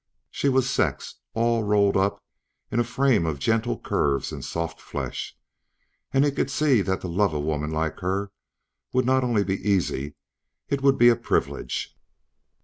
She was sex all rolled up in a frame of gentle curves and soft flesh, and he could see that to love a woman like her would not only be easy, it would be a privilege.